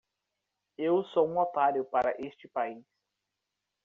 Eu sou um otário para este país.